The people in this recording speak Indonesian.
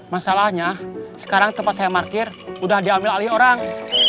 masalahnya sekarang tempat saya parkir udah diambil alih orang